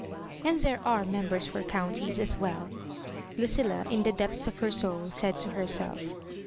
"And there are members for counties as well," Ludlla, in the depths of her soul, said to herself.